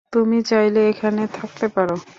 তুমি চাইলে এখানেও থাকতে পারো।